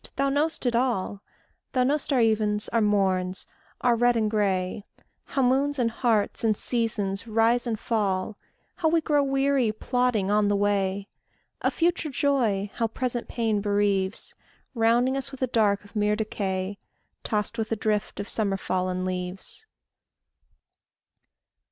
Thou know'st it all; Thou know'st our evens, our morns, our red and gray; How moons, and hearts, and seasons rise and fall; How we grow weary plodding on the way; Of future joy how present pain bereaves, Rounding us with a dark of mere decay, Tossed with a drift Of summer fallen leaves.